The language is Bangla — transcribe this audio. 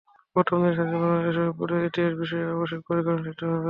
প্রথম দিনে স্বাধীন বাংলাদেশের অভ্যুদয়ের ইতিহাস বিষয়ের আবশ্যিক পরীক্ষা অনুষ্ঠিত হবে।